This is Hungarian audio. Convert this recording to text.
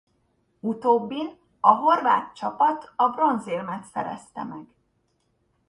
Utóbbin a horvát csapat a bronzérmet szerezte meg.